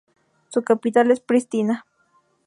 Su capital es Pristina.